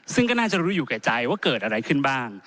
ซึ่งก็น่าจะรู้อยู่แก่ใจว่าเกิดอะไรขึ้นบ้าง